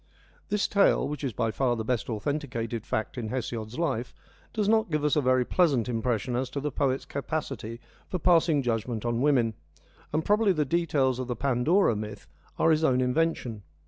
This tale, which is by far the best authenticated fact in Hesiod's life, does not give us a very pleasant impression as to the poet's capacity for passing judgment on women, and probably the details of the Pandora myth are his own invention.